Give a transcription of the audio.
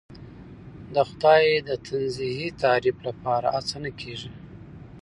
د خدای د تنزیهی تعریف لپاره هڅه نه کېږي.